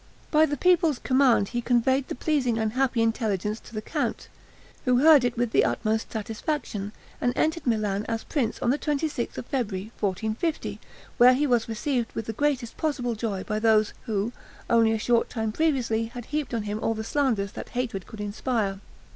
By the people's command he conveyed the pleasing and happy intelligence to the count, who heard it with the utmost satisfaction, and entered Milan as prince on the twenty sixth of February, 1450, where he was received with the greatest possible joy by those who, only a short time previously had heaped on him all the slanders that hatred could inspire.